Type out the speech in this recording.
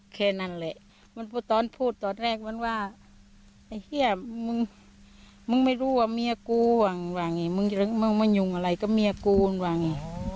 แค่นั้นแหละมันพูดตอนพูดตอนแรกมันว่าไอ้เฮียมึงมึงไม่รู้ว่าเมียกูหวังว่าอย่างนี้มึงมายุ่งอะไรกับเมียกูมึงว่าไง